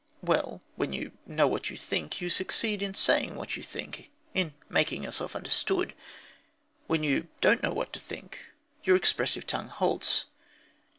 Well, when you "know what you think," you succeed in saying what you think, in making yourself understood. When you "don't know what to think," your expressive tongue halts.